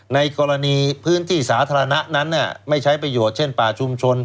ในกรณีพื้นที่สาธารณะนั้นไม่ใช้ประโยชน์เช่นป่าชุมชน